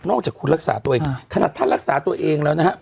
จากคุณรักษาตัวเองขนาดท่านรักษาตัวเองแล้วนะครับ